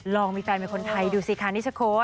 ลองมีแฟนเป็นคนไทยดูสิคะนิชโค้